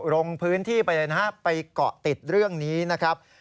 ลงพื้นที่ไปเลยนะครับไปเกาะติดเรื่องนี้นะครับ